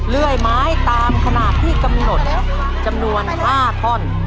เลื่อยไม้ตามขนาดที่กำหนดจำนวน๕ท่อน